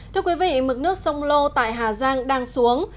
thưa quý vị mực nước sông lô tại hà giang đang xuống